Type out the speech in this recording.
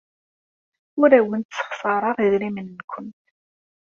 Ur awent-ssexṣareɣ idrimen-nwent.